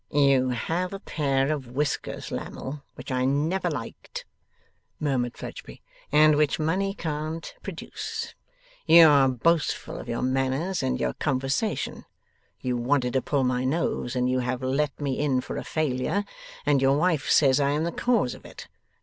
'You have a pair of whiskers, Lammle, which I never liked,' murmured Fledgeby, 'and which money can't produce; you are boastful of your manners and your conversation; you wanted to pull my nose, and you have let me in for a failure, and your wife says I am the cause of it.